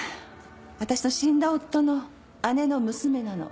私の死んだ夫の姉の娘なの。